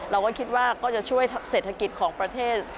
เราก็คิดว่าก็จะช่วยเศรษฐกิจของประเทศ